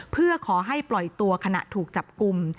เพื่อขอให้ปล่อยตัวขณะถูกจับกลุ่ม